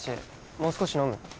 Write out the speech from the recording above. もう少し飲む？